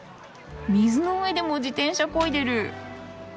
水の上でも自転車こいでる。